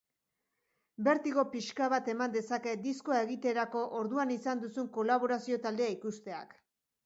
Bertigo pixka bat eman dezake diskoa egiterako orduan izan duzun kolaborazio taldea ikusteak.